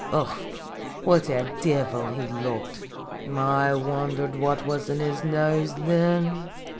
Ugh ! what a divil he looked ! I wondered what was in his nose thin.